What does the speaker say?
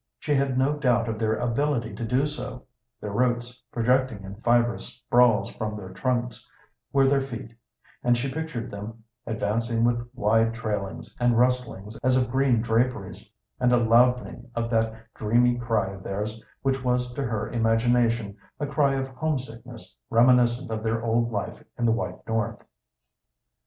She had no doubt of their ability to do so; their roots, projecting in fibrous sprawls from their trunks, were their feet, and she pictured them advancing with wide trailings, and rustlings as of green draperies, and a loudening of that dreamy cry of theirs which was to her imagination a cry of homesickness reminiscent of their old life in the White north.